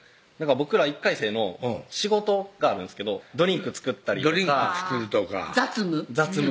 僕ら１回生の仕事があるんですけどドリンク作ったりとかドリンク作るとか雑務？